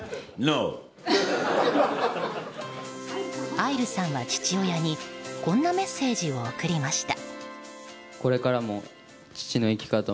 愛流さんは、父親にこんなメッセージを送りました。